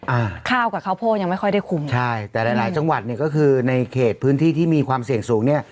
อ่าข้าวกับข้าวโพดยังไม่ค่อยได้คุ้มใช่แต่หลายหลายจังหวัดเนี่ยก็คือในเขตพื้นที่ที่มีความเสี่ยงสูงเนี้ย